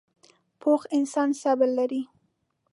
پوخ انسان صبر لري